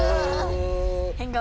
変顔。